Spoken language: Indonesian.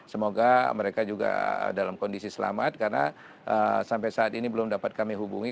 semoga mereka juga dalam kondisi selamat karena sampai saat ini belum dapat kami hubungi